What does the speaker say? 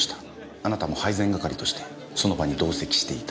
あなたも配膳係としてその場に同席していた。